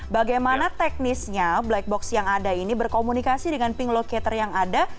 bagaimana teknisnya black box yang ada ini berkomunikasi dengan ping locator yang ada